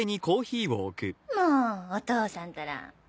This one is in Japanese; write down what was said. もうお父さんたら。